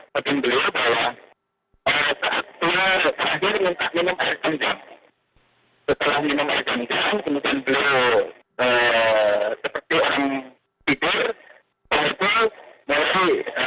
pak tim delio mulai dibawa ke rumah pagi